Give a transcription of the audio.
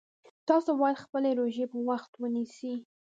تاسو باید خپلې روژې په وخت ونیسئ